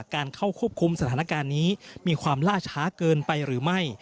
การเข้าควบคุมสถานการณ์นี้มีความล่าช้าเกินไปหรือไม่